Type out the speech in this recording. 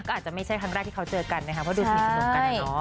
ก็อาจจะไม่ใช่ครั้งแรกที่เขาเจอกันนะคะเพราะดูสิสนุกกันนะเนาะ